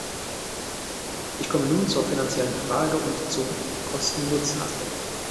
Ich komme nun zur finanziellen Frage und zum Kosten-Nutzen-Aspekt.